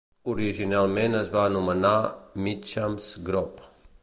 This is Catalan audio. Originalment es va anomenar Meacham's Grove.